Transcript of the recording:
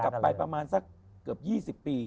ถ้าย้อนกลับไปประมาณสักเกือบ๒๐ปี